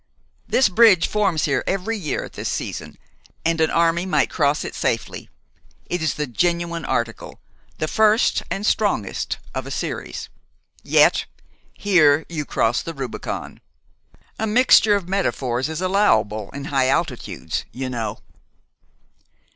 "This bridge forms here every year at this season, and an army might cross in safety. It is the genuine article, the first and strongest of a series. Yet here you cross the Rubicon. A mixture of metaphors is allowable in high altitudes, you know."